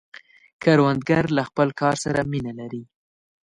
کروندګر له خپل کار سره مینه لري